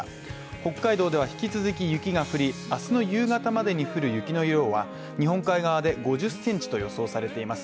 北海道では引き続き雪が降り、明日の夕方までに降る雪の量は日本海側で５０センチと予想されています。